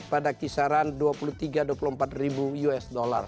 pada kisaran dua puluh tiga dua puluh empat ribu usd